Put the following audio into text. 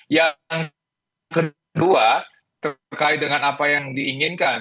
yang kedua terkait dengan apa yang diinginkan